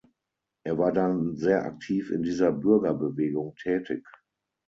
Er war dann sehr aktiv in dieser Bürgerbewegung tätig.